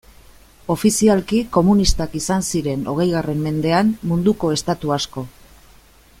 Ofizialki komunistak izan ziren, hogeigarren mendean, munduko estatu asko.